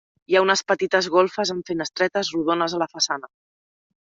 Hi ha unes petites golfes amb finestretes rodones a la façana.